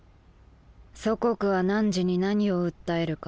「祖国は汝に何を訴えるか」。